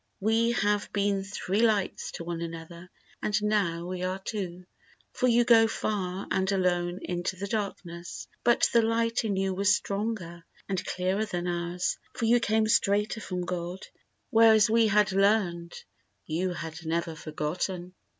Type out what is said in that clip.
We have been three lights to one another and now we are two, For you go far and alone into the darkness; But the light in you was stronger and clearer than ours, For you came straighter from God and, whereas we had learned, You had never forgotten.